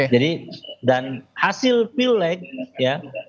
dan hasil pilek ya